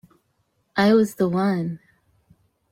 I was the one.